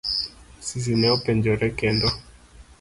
Asisi ne openjore kendo.